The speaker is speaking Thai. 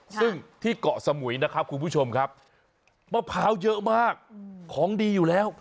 ซึ่งที่เกาะสมุยนะครับคุณผู้ชมครับมะพร้าวเยอะมากของดีอยู่แล้ว